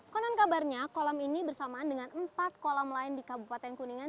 konon kabarnya kolam ini bersamaan dengan empat kolam lain di kabupaten kuningan